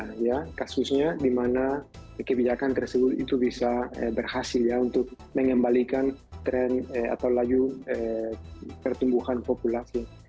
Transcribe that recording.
terutama di kasusnya dimana kebanyakan tersebut itu bisa berhasil ya untuk mengembalikan tren atau layu pertumbuhan populasi